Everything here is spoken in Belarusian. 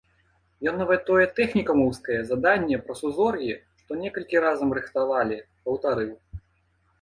Ён нават тое тэхнікумаўскае заданне пра сузор'і, што некалі разам рыхтавалі, паўтарыў.